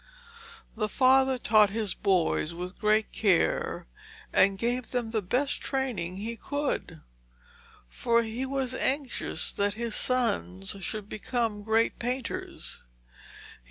The father taught his boys with great care, and gave them the best training he could, for he was anxious that his sons should become great painters.